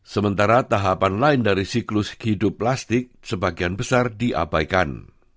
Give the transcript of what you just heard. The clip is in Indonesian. sementara tahapan lain dari siklus hidup plastik sebagian besar diabaikan